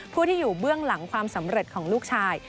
ผู้ที่อยู่เบื้องหลังความสำเร็จของลูกชาย